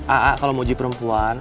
a'a kalau mau uji perempuan